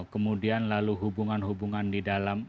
kemudian lalu hubungan hubungan di dalam